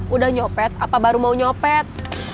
udah nyopet apa baru mau nyopet